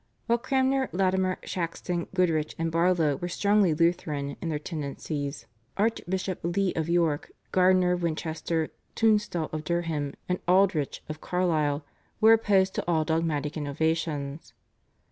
While Cranmer, Latimer, Shaxton, Goodrich, and Barlow were strongly Lutheran in their tendencies, Archbishop Lee of York, Gardiner of Winchester, Tunstall of Durham, and Aldrich of Carlisle were opposed to all dogmatic innovations.